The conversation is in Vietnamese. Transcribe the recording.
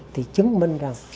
thì chứng minh rằng